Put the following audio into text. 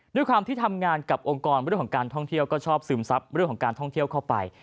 ด้วยความที่ทำงานกับองค์กรเรื่องของการท่องเที่ยวก็ชอบซึมซับเรื่องของการท่องเที่ยวเข้าไป